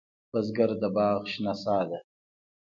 بزګر د باغ شنه سا ده